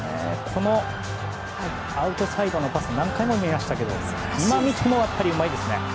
このアウトサイドのパス何回も見ましたけど今見てもやっぱりうまいですね。